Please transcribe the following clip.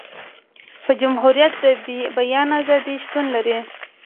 په جمهوريت د بیان ازادي شتون لري.